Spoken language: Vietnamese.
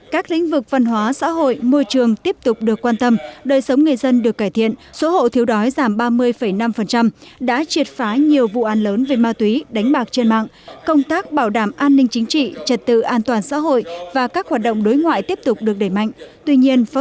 các lĩnh vực văn hóa xã hội môi trường tiếp tục được quan tâm đời sống người dân được cải thiện số hộ thiếu đói giảm ba mươi năm đã triệt phá nhiều vụ an lớn về ma túy đánh bạc trên mạng công tác bảo đảm an ninh chính trị trật tự an toàn xã hội và các hoạt động đối ngoại tiếp tục được đẩy mạnh